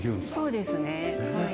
そうですねはい。